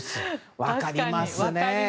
分かりますね。